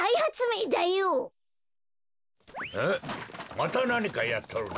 またなにかやっとるな。